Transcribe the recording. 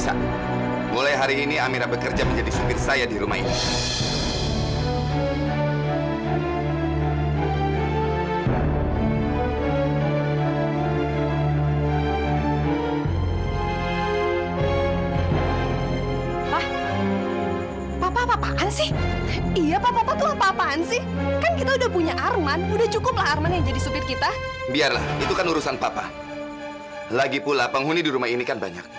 sampai jumpa di video selanjutnya